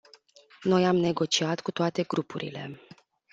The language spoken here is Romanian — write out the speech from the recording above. Noi am negociat cu toate grupurile.